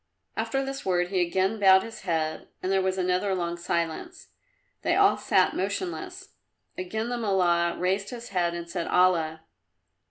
After this word he again bowed his head, and there was another long silence. They all sat motionless. Again the Mullah raised his head and said "Allah!"